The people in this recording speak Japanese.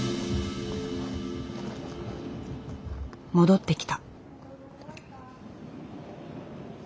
戻ってきた。